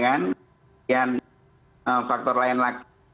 kemudian faktor lain lagi